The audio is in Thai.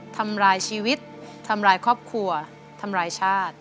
ทำร้ายชีวิตทำร้ายครอบครัวทำร้ายชาติ